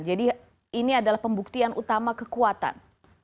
jadi ini adalah pembuktian utama kekuatan